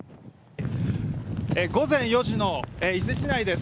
午前４時の伊勢市内です。